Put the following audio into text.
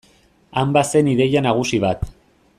Han bazen ideia nagusi bat.